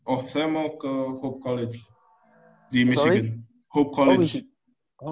oh saya mau ke hope college di michigan